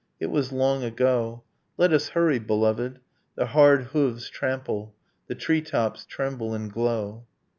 It was long ago. Let us hurry, beloved! the hard hooves trample; The treetops tremble and glow.